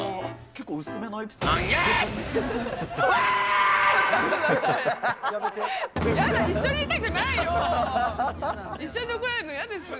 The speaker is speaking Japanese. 結構薄めのエピソードですね。